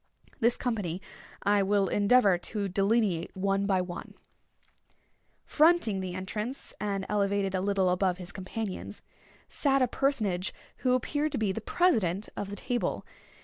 This company I will endeavor to delineate one by one. Fronting the entrance, and elevated a little above his companions, sat a personage who appeared to be the president of the table.